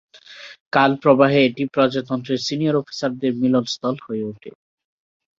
কালপ্রবাহে এটি প্রজাতন্ত্রের সিনিয়র অফিসারদের মিলনস্থল হয়ে উঠে।